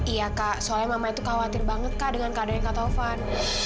iya kak soalnya mama itu khawatir banget kak dengan keadaannya kak taufan